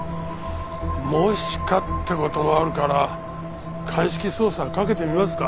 もしかって事もあるから鑑識捜査かけてみますか？